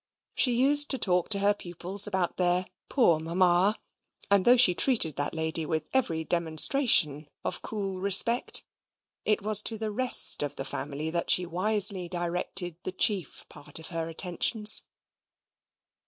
She used to talk to her pupils about their "poor mamma"; and, though she treated that lady with every demonstration of cool respect, it was to the rest of the family that she wisely directed the chief part of her attentions.